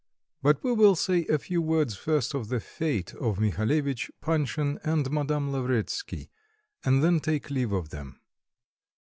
But we will say a few words first of the fate of Mihalevitch, Panshin, and Madame Lavretsky and then take leave of them.